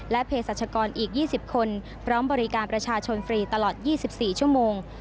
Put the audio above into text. เพศรัชกรอีก๒๐คนพร้อมบริการประชาชนฟรีตลอด๒๔ชั่วโมง